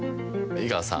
井川さん。